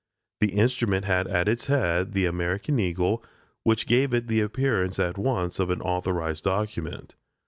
The instrument had at its head the American eagle, which gave it the appearance at once of an authorized document.